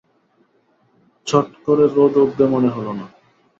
চট করে রোদ উঠবে মনে হলো না।